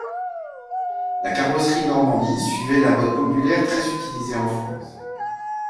La carrosserie Normandie suivait la mode populaire très utilisée en France.